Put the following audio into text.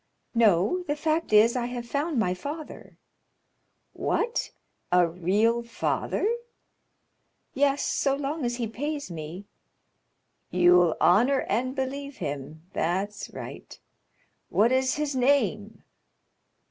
"No; the fact is, I have found my father." "What? a real father?" "Yes, so long as he pays me——" "You'll honor and believe him—that's right. What is his name?"